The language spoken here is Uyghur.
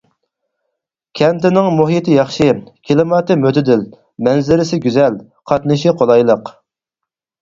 كەنتىنىڭ مۇھىتى ياخشى، كىلىماتى مۆتىدىل، مەنزىرىسى گۈزەل، قاتنىشى قولايلىق.